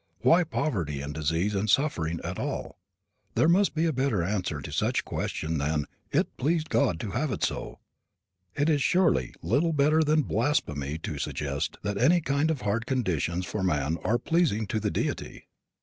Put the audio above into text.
Why poverty and disease and suffering at all? There must be a better answer to such questions than that "it pleased God to have it so." It is surely little better than blasphemy to suggest that any kind of hard conditions for man are pleasing to the deity.